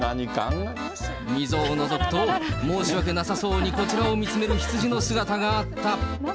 溝をのぞくと、申し訳なさそうにこちらを見つめる羊の姿があった。